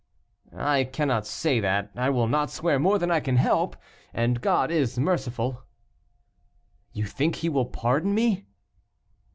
"I cannot say that; I will not swear more than I can help, and God is merciful." "You think he will pardon me?"